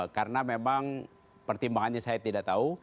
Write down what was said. karena memang pertimbangannya saya tidak tahu